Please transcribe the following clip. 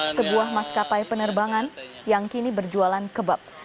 sebuah maskapai penerbangan yang kini berjualan kebab